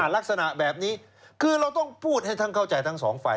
ลักษณะแบบนี้คือเราต้องพูดให้ท่านเข้าใจทั้งสองฝ่าย